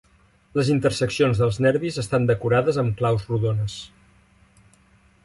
Les interseccions dels nervis estan decorades amb claus rodones.